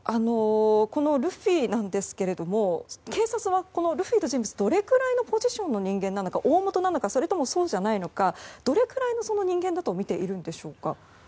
このルフィですけども警察は、このルフィという人物どれくらいのポジションの人物なのか大本なのかそれともそうじゃないのかどれくらいの人間だとみているんでしょうか。